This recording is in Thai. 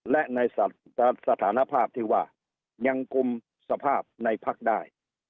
และในสถานภาพที่ว่ายังกุมสภาพในพักได้